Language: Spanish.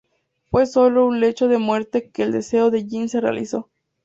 Fue sólo en su lecho de muerte que el deseo de Jeanne se realizó.